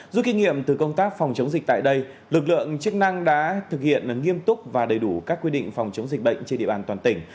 rút kinh nghiệm từ công tác phòng chống dịch tại đây lực lượng chức năng đã thực hiện nghiêm túc và đầy đủ các quy định phòng chống dịch bệnh trên địa bàn toàn tỉnh